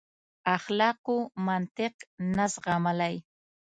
اخلاقو منطق نه زغملای.